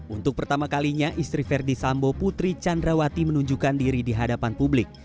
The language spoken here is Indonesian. untuk pertama kalinya istri verdi sambo putri candrawati menunjukkan diri di hadapan publik